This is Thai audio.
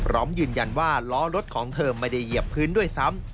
พร้อมยืนยันว่าล้อรถของเธอไม่ได้เหยียบพื้นด้วยซ้ำ